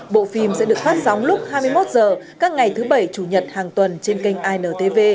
bộ phim sẽ được phát sóng lúc hai mươi một h các ngày thứ bảy chủ nhật hàng tuần trên kênh intv